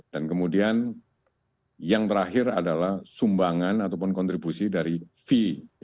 dan kemudian yang terakhir adalah sumbangan ataupun kontribusi dari fee